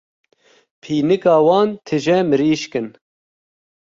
Pînika wan tije mirîşk in.